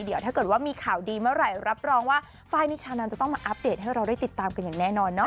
เดี๋ยวถ้าเกิดว่ามีข่าวดีเมื่อไหร่รับรองว่าไฟล์นิชานันจะต้องมาอัปเดตให้เราได้ติดตามกันอย่างแน่นอนเนาะ